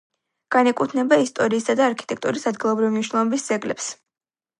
განეკუთვნება ისტორიისა და არქიტექტურის ადგილობრივი მნიშვნელობის ძეგლებს.